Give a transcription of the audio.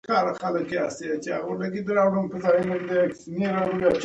ملامتي ومنه او ستاینه هغه وخت ورکړه چې مستحق وي.